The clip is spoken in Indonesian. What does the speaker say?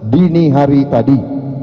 dini hari tadi